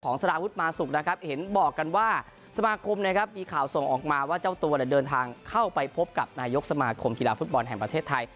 ของสมาคมมีข่าวส่งออกมาว่าเจ้าตัวเดินทางเข้าไปพบกับนายกสมาคมกีฬาฟุตบอลแห่งประเทศไทย